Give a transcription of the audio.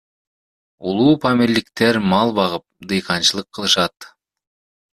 Улуупамирликтер мал багып, дыйканчылык кылышат.